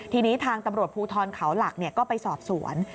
ทีนี้ทางตำรวจภูทรเขาหลักก็ไปสอบสวน